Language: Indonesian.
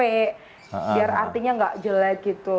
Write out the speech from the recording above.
biar artinya nggak jelek gitu